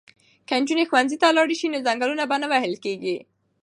که نجونې ښوونځي ته لاړې شي نو ځنګلونه به نه وهل کیږي.